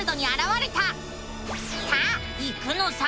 さあ行くのさ！